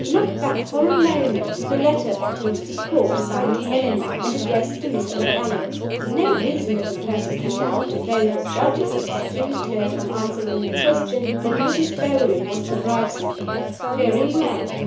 Look back for a moment to the letter produced in court, signed "Helena," and addressed to Mr. Macallan. No reasonable person can doubt (though the Judges excused her from answering the question) that Mrs. Beauly was the writer. Very well.